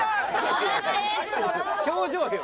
表情よ。